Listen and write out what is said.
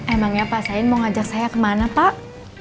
emangnya pak sain mau ngajak saya kemana pak